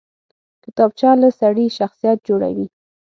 کتابچه له سړي شخصیت جوړوي